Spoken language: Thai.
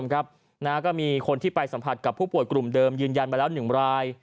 ก็มีคนที่ไปสัมผัสกับผู้ป่วยกลุ่มเดิมยืนยันมาแล้ว๑ราย